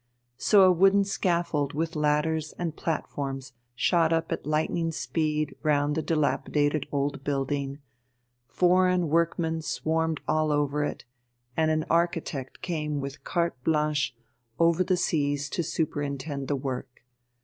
So a wooden scaffold with ladders and platforms shot up at lightning speed round the dilapidated old building, foreign workmen swarmed all over it, and an architect came with carte blanche over the seas to superintend the work.